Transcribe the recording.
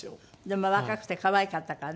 まあ若くて可愛かったからね。